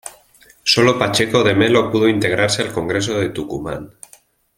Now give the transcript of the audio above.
Sólo Pacheco de Melo pudo integrarse al Congreso de Tucumán.